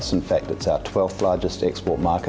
sebenarnya indonesia adalah pasar ekspor terbesar ke dua belas